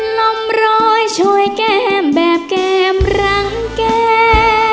ลมรอยช่วยแก้มแบบแก้มรังแก้